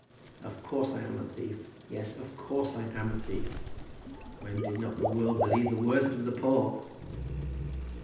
Of course I am a thief. Yes; of course I am a thief. When did not the world believe the worst of the poor?"